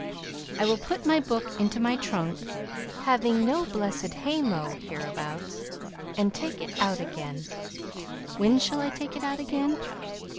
I will put my book into my trunk (having no blessed haymow hereabouts) and take it out again, when shall I take it out again?